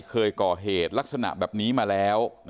เคยก่อเหตุลักษณะแบบนี้มาแล้ว